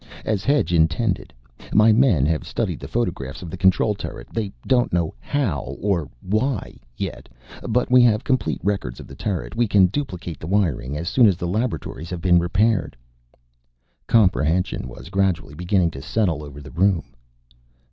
"As Hedge intended. My men have studied the photographs of the control turret. They don't know how or why, yet. But we have complete records of the turret. We can duplicate the wiring, as soon as the laboratories have been repaired." Comprehension was gradually beginning to settle over the room.